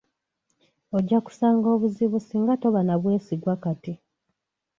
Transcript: Ojja kusanga obuzibu singa toba nabwesigwa kati.